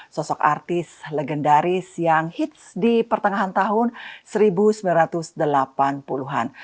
sosok artis legendaris yang hits di pertengahan tahun seribu sembilan ratus delapan puluh an